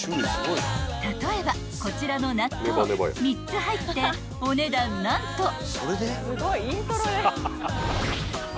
［例えばこちらの納豆３つ入ってお値段何と］